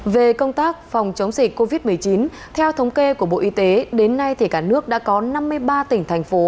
về công tác phòng chống dịch covid một mươi chín theo thống kê của bộ y tế đến nay thì cả nước đã có năm mươi ba tỉnh thành phố